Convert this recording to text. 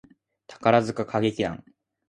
宝塚歌劇団